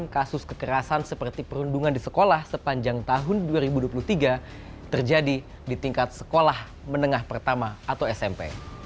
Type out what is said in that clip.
kasus kekerasan seperti perundungan di sekolah sepanjang tahun dua ribu dua puluh tiga terjadi di tingkat sekolah menengah pertama atau smp